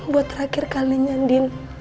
buat terakhir kalinya din